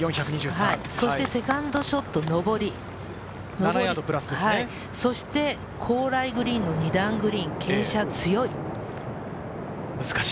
そしてセカンドショットが上り、そして高麗グリーンの２段グリーン、傾斜が強い。